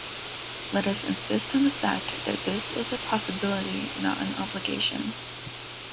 Let us insist on the fact that this is a possibility not an obligation.